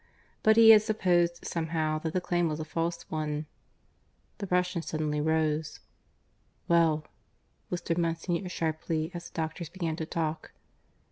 But he had supposed, somehow, that the claim was a false one. ... The Russian suddenly rose. "Well!" whispered Monsignor sharply as the doctors began to talk.